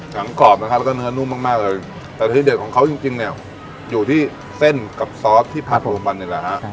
กรอบนะครับแล้วก็เนื้อนุ่มมากมากเลยแต่ที่เด็ดของเขาจริงเนี่ยอยู่ที่เส้นกับซอสที่ผัดผสมมันนี่แหละฮะ